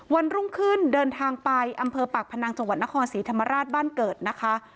วันรุ่งขึ้นเดินทางไปอำเภอปากพนังจังหวัดนครศรีธรรมราชบ้านเกิดนะคะ